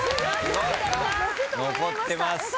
残ってます。